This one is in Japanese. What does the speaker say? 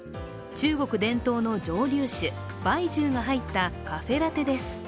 中国伝統の蒸留酒白酒が入ったカフェラテです。